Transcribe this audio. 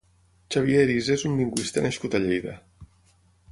Xabier Erize és un lingüista nascut a Lleida.